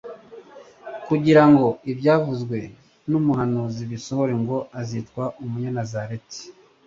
"Kugira ngo ibyavuzwe n'umuhanuzi bisohore ngo: Azitwa Umuruyanazareti".